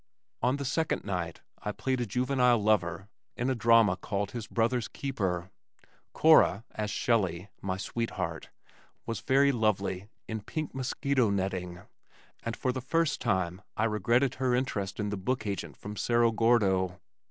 On the second night I played the juvenile lover in a drama called His Brother's Keeper. Cora as "Shellie," my sweetheart, was very lovely in pink mosquito netting, and for the first time I regretted her interest in the book agent from Cerro Gordo.